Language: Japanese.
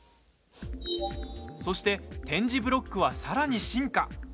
そして、点字ブロックはさらに進化。